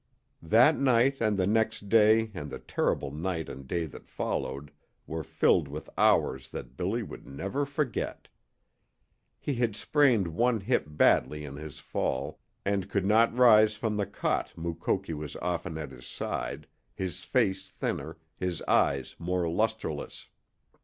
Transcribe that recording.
That night and the next day and the terrible night and day that followed were filled with hours that Billy would never forget. He had sprained one hip badly in his fall, and could not rise from the cot Mukoki was often at his side, his face thinner, his eyes more lusterless.